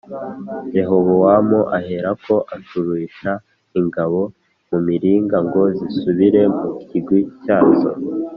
Rehobowamu aherako acurisha ingabo mu miringa ngo zisubire mu kigwi cyazo